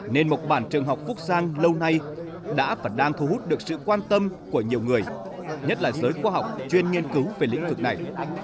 nên mộc bản trường học phúc giang lâu nay đã và đang thu hút được sự quan tâm của nhiều người nhất là giới khoa học chuyên nghiên cứu về lĩnh vực này